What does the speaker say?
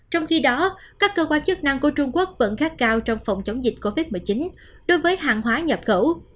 trong khi đó các cơ quan chức năng của trung quốc vẫn khát cao trong phòng chống dịch covid một mươi chín đối với hàng hóa nhập khẩu